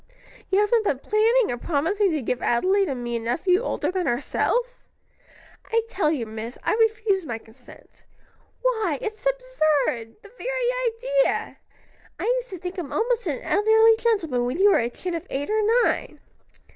"You haven't been planning and promising to give Adelaide and me a nephew older than ourselves? I tell you, miss, I refuse my consent. Why, it's absurd! the very idea! I used to think him almost an elderly gentleman when you were a chit of eight or nine."